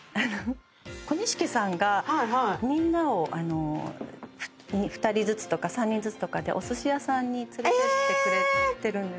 ＫＯＮＩＳＨＩＫＩさんがみんなを２人ずつとか３人ずつとかでお寿司屋さんに連れてってくれてるんですけど。